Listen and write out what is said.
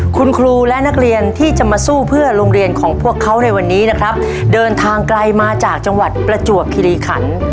คุณครูและนักเรียนที่จะมาสู้เพื่อโรงเรียนของพวกเขาในวันนี้นะครับเดินทางไกลมาจากจังหวัดประจวบคิริขัน